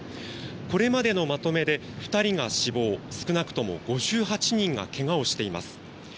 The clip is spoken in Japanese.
これまでのまとめで、２人が死亡少なくとも５８人が怪我をしています。